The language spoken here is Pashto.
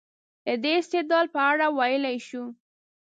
د دې استدلال په اړه ویلای شو.